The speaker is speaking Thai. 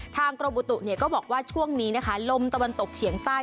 กรมบุตุก็บอกว่าช่วงนี้นะคะลมตะวันตกเฉียงใต้